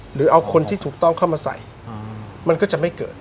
หรือเอาคนที่ถูกต้องเข้ามาใส่มันก็จะไม่เกิด